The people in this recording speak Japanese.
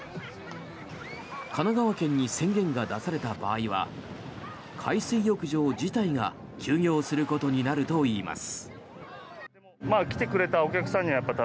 神奈川県に宣言が出された場合は海水浴場自体が休業することになるといいます。